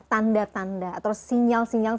tanda tanda atau sinyal sinyal